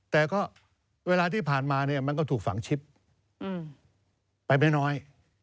แต่ก็เวลาที่ผ่านมาเนี่ยมันก็ถูกฝังชิดไปไม่น้อย